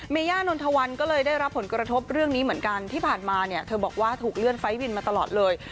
ย่านนทวันก็เลยได้รับผลกระทบเรื่องนี้เหมือนกันที่ผ่านมาเนี่ยเธอบอกว่าถูกเลื่อนไฟล์วินมาตลอดเลย